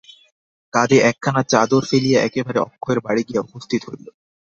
কাঁধে একখানা চাদর ফেলিয়া একেবারে অক্ষয়ের বাড়ি গিয়া উপস্থিত হইল।